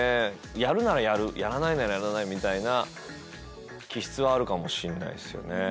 やるならやるやらないならやらないみたいな気質はあるかもしれないっすよね。